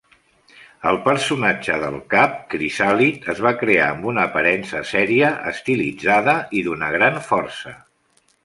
El personatge del cap, Krizalid, es va crear amb una aparença seria, estilitzada i d'una gran força.